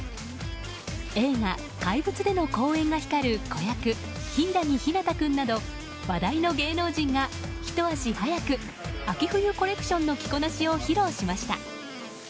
映画「怪物」での好演が光る子役・柊木陽太君など話題の芸能人が、ひと足早く秋冬コレクションの着こなしを披露しました。